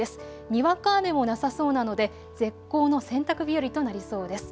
にわか雨もなさそうなので絶好の洗濯日和となりそうです。